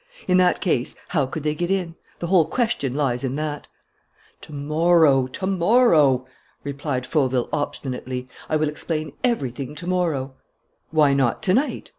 In that case, how could they get in? The whole question lies in that." "To morrow, to morrow," replied Fauville, obstinately. "I will explain everything to morrow " "Why not to night?"